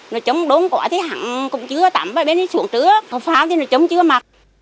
nó chống đốn quả thì hẳn không chứa tâm ba bên xuống trước không pháo thì nó chống chứa mặt